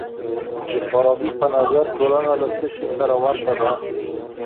د فارابي په نظر ټولنه له څه سي سره ورته ده؟